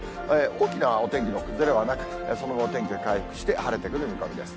大きなお天気の崩れはなく、その後、天気は回復して晴れてくる見込みです。